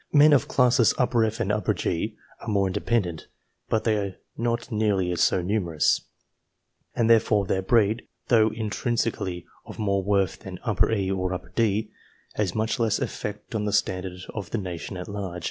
Men of classes F and G are more independent, but they are not nearly so numerous, and therefore their breed, though intrinsically of more worth than E or D, has much less effect on the standard of the nation at large.